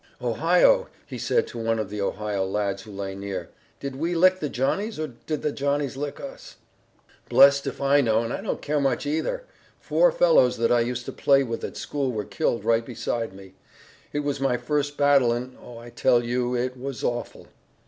"Ohio," he said to one of the Ohio lads who lay near, "did we lick the Johnnies, or did the Johnnies lick us?" "Blessed if I know, and I don't care much, either. Four fellows that I used to play with at school were killed right beside me. It was my first battle, and, Oh, I tell you, it was awful!"